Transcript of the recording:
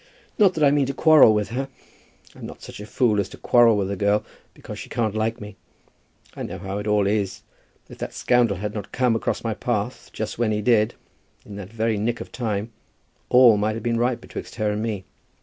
Not that I mean to quarrel with her. I'm not such a fool as to quarrel with a girl because she can't like me. I know how it all is. If that scoundrel had not come across my path just when he did, in that very nick of time, all might have been right betwixt her and me.